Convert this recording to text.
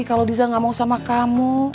kalau diza gak mau sama kamu